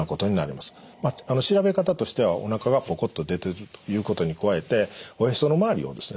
調べ方としてはおなかがポコッと出ているということに加えておへその周りをですね